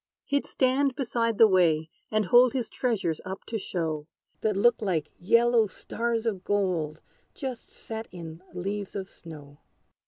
He'd stand beside the way, and hold His treasures up to show, That looked like yellow stars of gold Just set in leaves of snow.